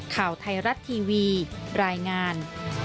ข่าวไทยรัฐทีวีรายงาน